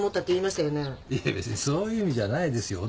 別にそういう意味じゃないですよ。